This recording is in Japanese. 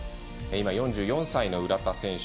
今、４４歳の浦田選手。